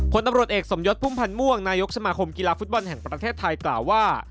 ผลตำรวจเอกสมยศพุ่มพันธ์ม่วงนายกสมาคมกีฬาฟุตบอลแห่งประเทศไทยกล่าวว่า